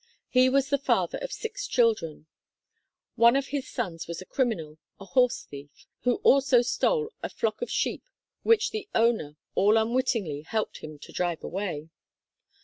He was the father of six children. One of his sons was a criminal, a horse thief, who also stole a flock of sheep which the owner all unwittingly helped him to drive away.